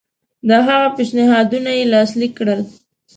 د هغه پېشنهادونه یې لاسلیک کړل.